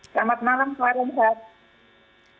selamat malam selamat siang